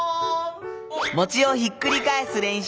餅をひっくり返す練習。